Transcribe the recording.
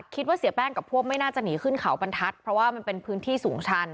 คิดว่าเสียแป้งกับพวกไม่น่าจะหนีขึ้นเขาบรรทัศน์เพราะว่ามันเป็นพื้นที่สูงชัน